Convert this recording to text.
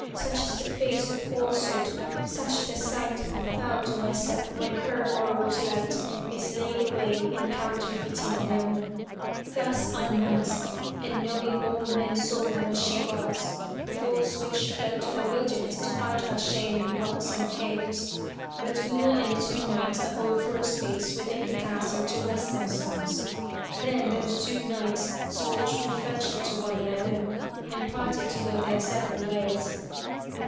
Such is the face of falsehood; such the sight Of foul Duessa, when her borrowed light Is laid away, and counterfeiting known'' Thus unmasked, and knowing all men saw her as she was, the false witch fled to the wilderness to hide her shame in rocks 38 FROM THE TOWER WINDOW and caves. But Una and the two knights abode for a space within the castle to rest themselves. Then those two knights swore true friendship to one another, and parted to go their several ways.